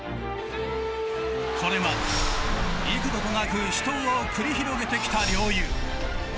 それは幾度となく死闘を繰り広げてきた両雄。